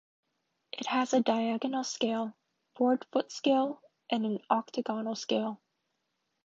It has a diagonal scale, board foot scale and an octagonal scale.